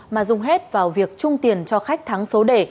mà dùng hết vào việc trung tiền cho khách thắng số đề